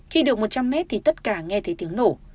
khi được một trăm linh mét thì tất cả nghe thấy tiếng nổ